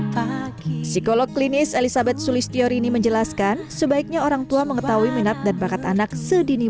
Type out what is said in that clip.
psikolog klinis elizabeth sulis tiorini menjelaskan sebaiknya orang tua mengetahui minat dan bakat anak sediniwa